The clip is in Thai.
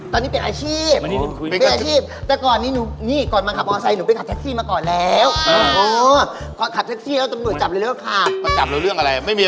ตอนนี้เปลี่ยนอาชีพเปลี่ยนอาชีพมานี่เรียนคุย